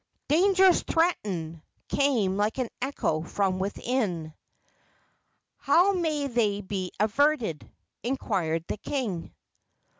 "Dangers threaten!" came like an echo from within. "How may they be averted?" inquired the king.